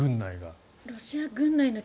ロシア軍内が。